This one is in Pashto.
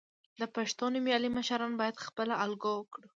د پښتو نومیالي مشران باید خپله الګو کړو.